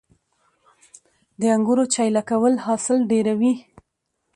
د انګورو چیله کول حاصل ډیروي